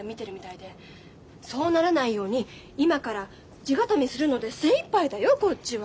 そうならないように今から地固めするので精いっぱいだよこっちは。